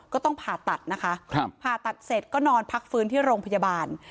ก็ต้องผ่าตัดนะคะผ่าตัดเสร็จก็นอนพักฟื้นที่โรงพยาบาล